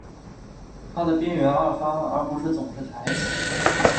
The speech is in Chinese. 它的边缘外翻而不是总是抬起。